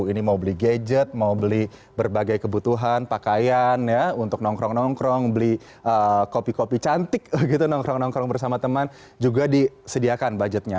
ini mau beli gadget mau beli berbagai kebutuhan pakaian ya untuk nongkrong nongkrong beli kopi kopi cantik begitu nongkrong nongkrong bersama teman juga disediakan budgetnya